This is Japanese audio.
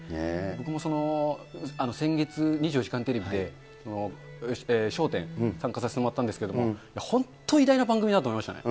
僕も２４時間テレビで、笑点、参加させてもらったんですけれども、本当、偉大な番組だと思いましたね。